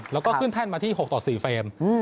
แล้วก็ขึ้นแท่นมาที่๖ต่อ๔เฟรม